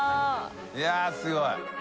いやすごい。